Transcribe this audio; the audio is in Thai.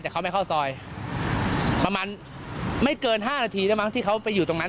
แต่เขาไม่เข้าซอยประมาณไม่เกิน๕นาทีได้มั้งที่เขาไปอยู่ตรงนั้น